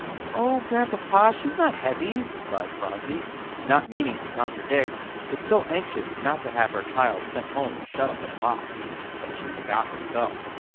"Oh, Grandpapa, she's not heavy," cried Phronsie, not meaning to contradict, but so anxious not to have her child sent home shut up in a box, that she forgot herself.